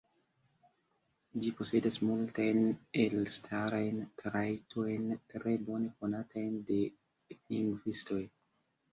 Ĝi posedas multajn elstarajn trajtojn tre bone konatajn de lingvistoj.